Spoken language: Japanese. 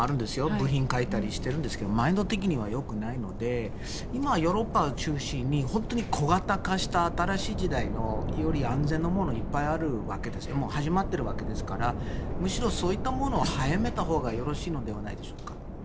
部品を書いたりしてるんですがマインド的にはよくないので今、ヨーロッパを中心に小型化した新しい時代のより安全なものがいっぱいあるわけです始まっているわけですからむしろ、そういったものを早めたほうがよろしいのではないでしょうか。